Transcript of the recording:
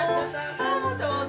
さあさあどうぞ。